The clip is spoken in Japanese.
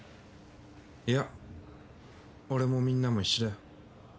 いや俺もみんなも一緒だよ。